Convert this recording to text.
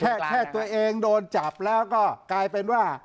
แค่ตัวเองโดนจับแล้วก็กลายเป็นว่า